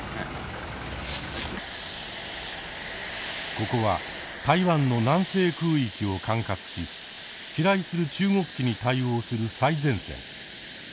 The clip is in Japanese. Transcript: ここは台湾の南西空域を管轄し飛来する中国機に対応する最前線。